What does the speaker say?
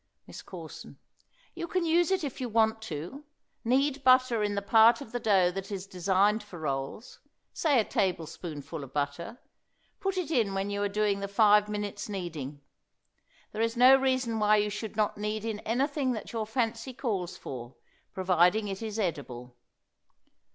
MISS CORSON. You can use it if you want to. Knead butter in the part of the dough that is designed for rolls say a tablespoonful of butter; put it in when you are doing the five minutes' kneading. There is no reason why you should not knead in anything that your fancy calls for, providing it is edible.